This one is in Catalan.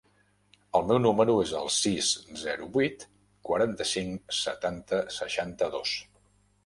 El meu número es el sis, zero, vuit, quaranta-cinc, setanta, seixanta-dos.